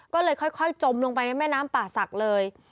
ก็เลยค่อยจมลงไปในแม่น้ำป่าศักดิ์เลย